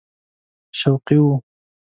شوقي وو.